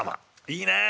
いいねえ。